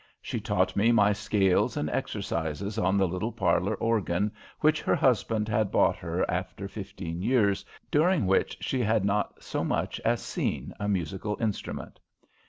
She taught me my scales and exercises on the little parlour organ which her husband had bought her after fifteen years during which she had not so much as seen a musical instrument.